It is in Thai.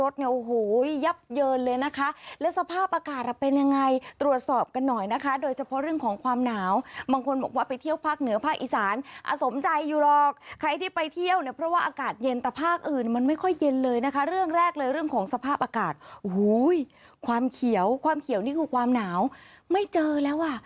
ยับเยินเลยนะคะแล้วสภาพอากาศเป็นยังไงตรวจสอบกันหน่อยนะคะโดยเฉพาะเรื่องของความหนาวบางคนบอกว่าไปเที่ยวภาคเหนือภาคอีสานอสมใจอยู่หรอกใครที่ไปเที่ยวเนี่ยเพราะว่าอากาศเย็นแต่ภาคอื่นมันไม่ค่อยเย็นเลยนะคะเรื่องแรกเลยเรื่องของสภาพอากาศโอ้โหความเขียวความเขียวนี่คือความหนาวไม่เจอแล้วอ่ะ